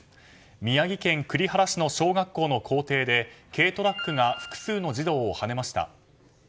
宮城県栗原市の小学校の校庭で軽トラックが複数の児童をはねました。